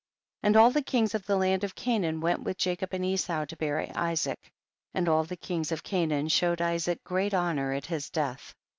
11. And all the kings of the land of Canaan went with Jacob and Esau to bury Isaac, and all the kings of Canaan showed Isaac great honor at his death.